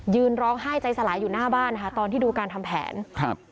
ยืนร้องไห้ใจสลายอยู่หน้าบ้านตอนที่ดูทำแผนนะครับครับ